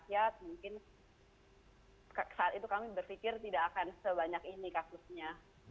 ya mungkin saat itu kami berpikir tidak akan sebanyak ini kasusnya